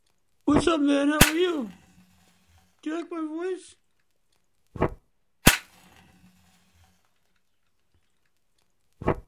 Some of the volumes can also be found on archive dot org.